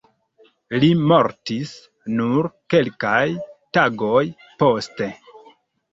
Li mortis nur kelkaj tagoj poste.